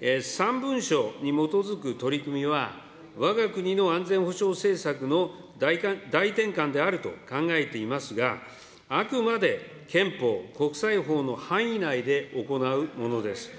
３文書に基づく取り組みはわが国の安全保障政策の大転換であると考えていますが、あくまで憲法、国際法の範囲内で行うものです。